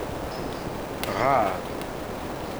Ɣar!